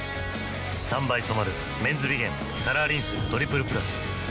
３倍染まる「メンズビゲンカラーリンストリプルプラス」